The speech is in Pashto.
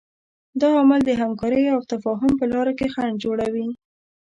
دا عامل د همکارۍ او تفاهم په لاره کې خنډ جوړوي.